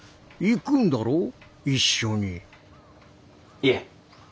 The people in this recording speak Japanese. いえ。